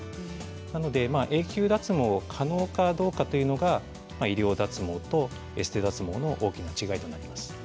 なので永久脱毛が可能かどうかというのが医療脱毛とエステ脱毛の大きな違いだと思います。